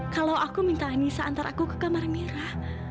kalau aku minta anissa antar aku ke kamar mira